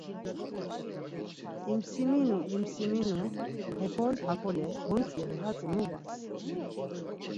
İmsiminu imsiminu, hekol hakole goitzǩedu, hatzi muvas ?